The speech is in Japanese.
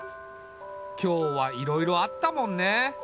今日はいろいろあったもんね。